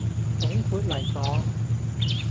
總括黎講